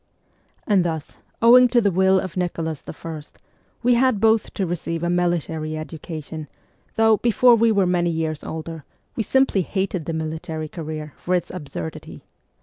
And thus, owing to the will of Nicholas I., we had both to receive a military education, though, before we were many years older, we simply hated the military career for its absurdity.